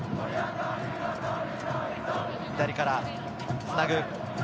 左からつなぐ。